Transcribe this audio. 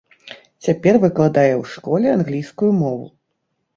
Цяпер выкладае ў школе англійскую мову.